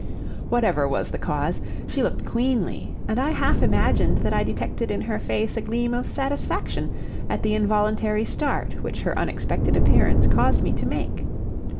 Whatever was the cause, she looked queenly, and I half imagined that I detected in her face a gleam of satisfaction at the involuntary start which her unexpected appearance caused me to make.